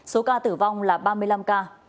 số ca tử vong là ba mươi năm ca